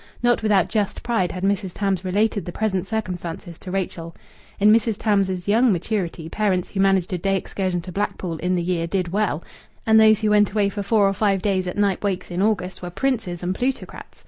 Not without just pride had Mrs. Tams related the present circumstances to Rachel. In Mrs. Tams's young maturity parents who managed a day excursion to Blackpool in the year did well, and those who went away for four or five days at Knype Wakes in August were princes and plutocrats.